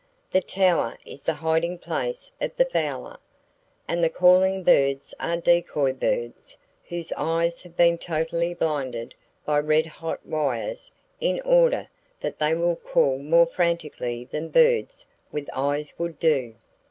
The tower is the hiding place of the fowler, and the calling birds are decoy birds whose eyes have been totally blinded by red hot wires in order that they will call more frantically than birds with eyes would do.